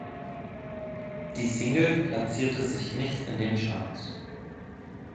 Die Single platzierte sich nicht in den Charts.